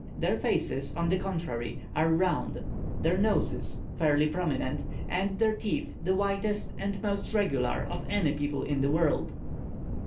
Their faces, on the contrary, are round, their noses fairly prominent, and their teeth the whitest and most regular of any people in the world.